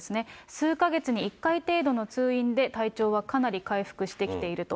数か月に一回程度の通院で、体調はかなり回復してきていると。